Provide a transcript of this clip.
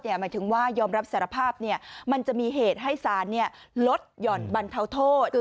หมายถึงว่ายอมรับสารภาพมันจะมีเหตุให้สารลดหย่อนบรรเทาโทษ